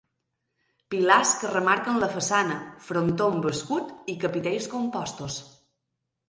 Pilars que remarquen la façana, frontó amb escut i capitells compostos.